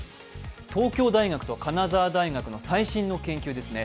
東京大学と金沢大学の最新の研究ですね。